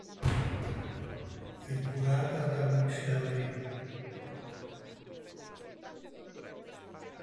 È curata da Rich Lowry.